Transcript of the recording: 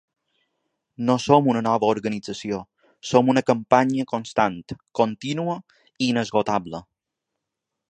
No som una nova organització: som una campanya constant, contínua i inesgotable.